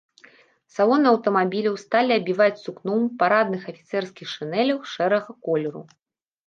Салоны аўтамабіляў сталі абіваць сукном парадных афіцэрскіх шынялёў шэрага колеру.